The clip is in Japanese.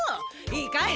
いいかい？